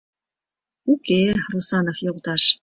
— Уке, Русанов йолташ.